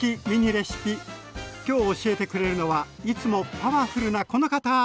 今日教えてくれるのはいつもパワフルなこの方！